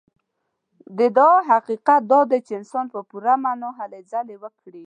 د دعا حقيقت دا دی چې انسان په پوره معنا هلې ځلې وکړي.